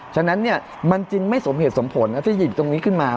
ฉะนั้นมันจึงไม่สมเหตุสมผลที่หยิบตรงนี้ขึ้นมา